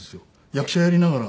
役者やりながら。